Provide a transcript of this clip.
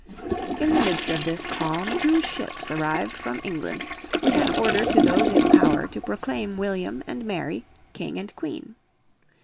In the midst of this calm two ships arrived from England with an order to those in power to proclaim William and Mary King and Queen.